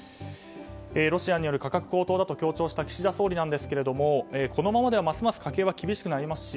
ロシアによる価格高騰だと強調した岸田総理なんですけれどもこのままではますます家計は厳しくなりますし